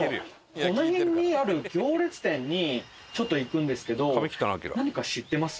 この辺にある行列店にちょっと行くんですけど何か知ってます？